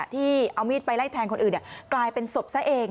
ที่เอามีดไปไล่แทงคนอื่นกลายเป็นศพซะเอง